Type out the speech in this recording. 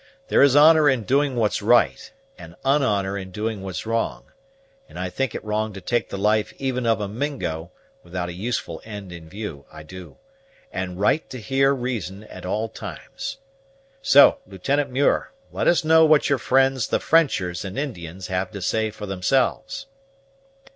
There is honor in doing what's right, and unhonor in doing what's wrong; and I think it wrong to take the life even of a Mingo, without a useful end in view, I do; and right to hear reason at all times. So, Lieutenant Muir, let us know what your friends the Frenchers and Indians have to say for themselves."